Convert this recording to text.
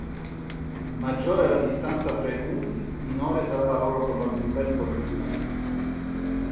Maggiore è la distanza fra i punti minore sarà la loro probabilità di collisione.